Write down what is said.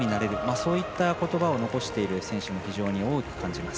そういったことばを残している選手も非常に多く感じます。